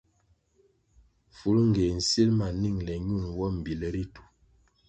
Fulngéh nsil ma ningle ñul nwo mbíl ritu.